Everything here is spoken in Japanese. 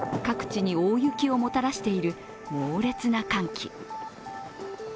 各地に大雪をもたらしている猛烈な寒気。